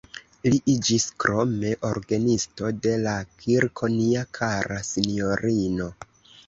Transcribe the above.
Li iĝis krome orgenisto de la Kirko Nia kara sinjorino.